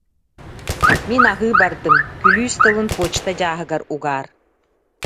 Мин аһыы бардым, күлүүс тылын почта дьааһыгар угаар